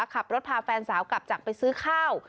ขับรถพาแฟนสาวกลับจากไปซื้อข้าว